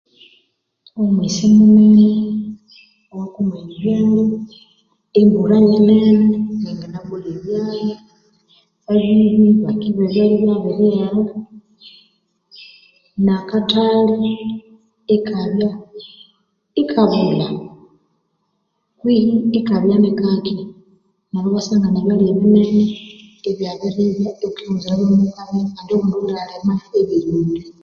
Omwesi munene akumaya ebyalhya embulha nene yanganabolya ebyalhya